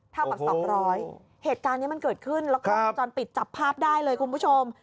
เท่ากับ๒๐๐เหตุการณ์นี้มันเกิดขึ้นแล้วกล้องวงจรปิดจับภาพได้เลยคุณผู้ชม